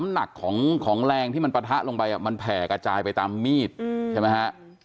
หนักของแรงที่มันปะทะลงไปมันแผ่กระจายไปตามมีดใช่ไหมฮะ